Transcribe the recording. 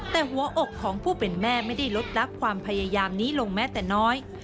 แต่หัวอกของผู้เป็นแม่ไม่ได้ลดลับความพยายามนี้ลงแม้แต่น้อย